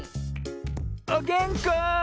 おげんこ！